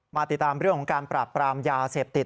มาติดตามเรื่องของการปราบปรามยาเสพติด